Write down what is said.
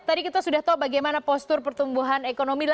tadi kita sudah tahu bagaimana postur pertumbuhan ekonomi